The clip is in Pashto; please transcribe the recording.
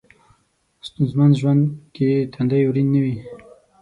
ستونځمن ژوند کې تندی ورین نه وي.